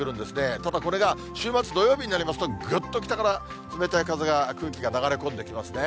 ただこれが、週末、土曜日になりますと、ぐっと北から冷たい風が、空気が流れ込んできますね。